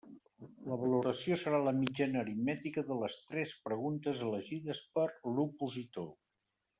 La valoració serà la mitjana aritmètica de les tres preguntes elegides per l'opositor.